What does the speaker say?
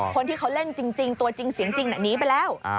คนที่เขาเล่นจริงตัวจริงเสียงจริงหนีไปแล้ว